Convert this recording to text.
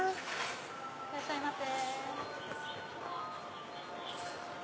いらっしゃいませ。